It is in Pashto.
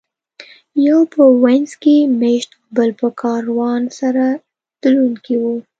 یو په وینز کې مېشت او بل کاروان سره تلونکی و.